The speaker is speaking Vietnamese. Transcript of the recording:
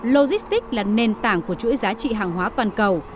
logistics là nền tảng của chuỗi giá trị hàng hóa toàn cầu